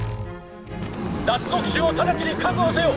脱獄囚を直ちに確保せよ！